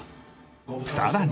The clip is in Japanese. さらに。